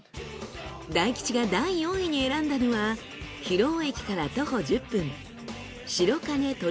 大吉が第４位に選んだのは広尾駅から徒歩１０分。